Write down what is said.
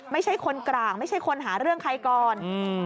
ไม่ใช่คนกลางไม่ใช่คนหาเรื่องใครก่อน